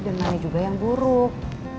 dan mana juga yang buruk